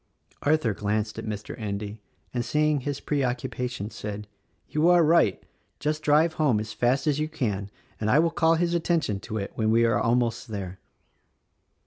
Arthur glanced at Mr. Endy and seeing his preoccupa tion said, "You are right. Just drive home as fast as you can and I will call his attention to it when we are almost there."